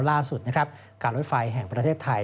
ล่าสุดการรถไฟของประเทศไทย